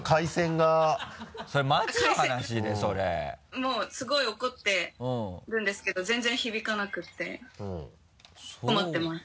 もうすごい怒ってるんですけど全然響かなくて困ってます。